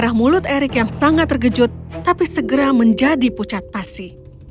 arah mulut erik yang sangat terkejut tapi segera menjadi pucat pasi